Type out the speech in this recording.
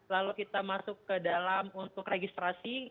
lalu kita masuk ke dalam untuk registrasi